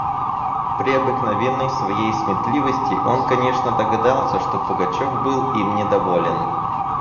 При обыкновенной своей сметливости он, конечно, догадался, что Пугачев был им недоволен.